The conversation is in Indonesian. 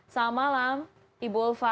salam malam ibu ulfa